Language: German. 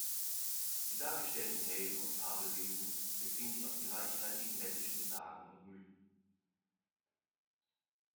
Die dargestellten Helden und Fabelwesen beziehen sich auf die reichhaltigen lettischen Sagen und Mythen.